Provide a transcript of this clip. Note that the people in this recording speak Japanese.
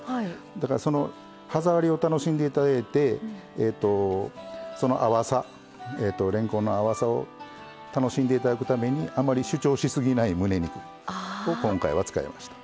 だからその歯触りを楽しんでいただいてその淡されんこんの淡さを楽しんでいただくためにあんまり主張し過ぎないむね肉を今回は使いました。